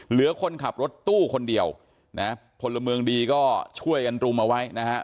เหลือคนขับรถตู้คนเดียวนะพลเมืองดีก็ช่วยกันรุมเอาไว้นะฮะ